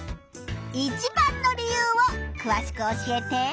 一番の理由をくわしく教えて。